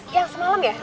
mas yang semalam ya